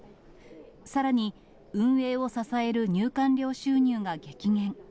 さらに運営を支える入館料収入が激減。